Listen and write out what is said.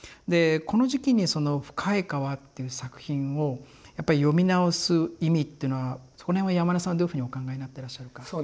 でこの時期に「深い河」っていう作品をやっぱり読み直す意味っていうのはそこら辺は山根さんどういうふうにお考えになってらっしゃるか。